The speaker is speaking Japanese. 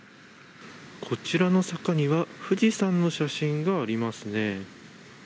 こちらの坂には、富士山の写真がありますね。